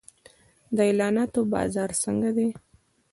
د اعلاناتو بازار څنګه دی؟